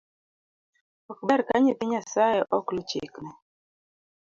Ok ber ka nyithii nyasae ok lu chikne.